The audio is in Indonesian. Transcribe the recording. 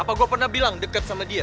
apa gue pernah bilang deket sama dia